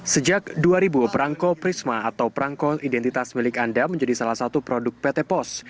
sejak dua ribu perangko prisma atau perangko identitas milik anda menjadi salah satu produk pt pos